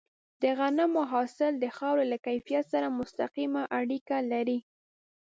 د غنمو حاصل د خاورې له کیفیت سره مستقیمه اړیکه لري.